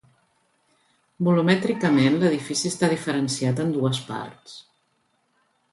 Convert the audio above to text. Volumètricament l'edifici està diferenciat en dues parts.